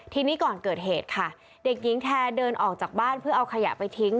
ทีนี้ก่อนเกิดเหตุค่ะเด็กหญิงแทเดินออกจากบ้านเพื่อเอาขยะไปทิ้ง